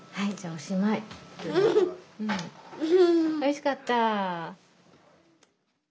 おいしかった。